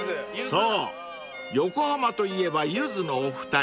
［そう横浜といえばゆずのお二人］